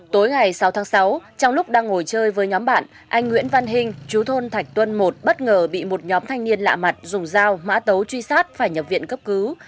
tối ngày sáu tháng sáu trong lúc đang ngồi chơi với nhóm bạn anh nguyễn văn hình chú thôn thạch tuân một bất ngờ bị một nhóm thanh niên lạ mặt dùng dao mã tấu truy sát phải nhập viện cấp cứu